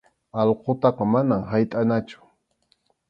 Allqutaqa manam haytʼanachu.